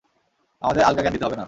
আমাদের আলগা জ্ঞান দিতে হবে না।